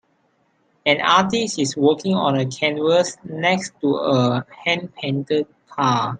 An artist is working on a canvas next to a handpainted car.